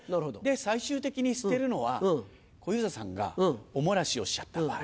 最終的に捨てるのは小遊三さんがおもらしをしちゃった場合。